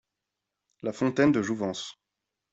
La fontaine de jouvence.